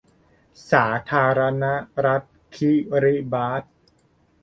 สาธารณรัฐคิริบาส